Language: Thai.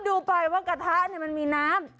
ดูท่าสุดโอ้ยโอ๊ยแซ่บสิครับ